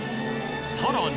さらに！